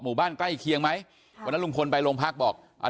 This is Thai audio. ใกล้เคียงไหมวันนั้นลุงพลไปโรงพักบอกอ่า